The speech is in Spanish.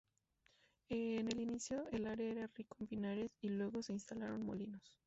En el inicio el área era rico en pinares, y luego se instalaron molinos.